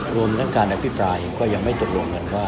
รวมทั้งการอภิปรายก็ยังไม่ตกลงกันว่า